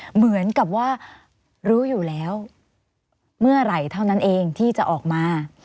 เหมือนกับว่ารู้อยู่แล้วเมื่อไหร่เท่านั้นเองที่จะออกมา